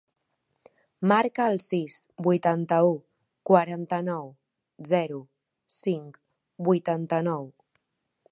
Marca el sis, vuitanta-u, quaranta-nou, zero, cinc, vuitanta-nou.